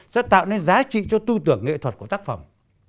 sẽ tạo nên giá trị cho tư tưởng nghệ thuật của tác phẩm